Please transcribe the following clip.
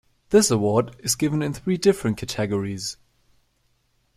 This award is given in three different categories.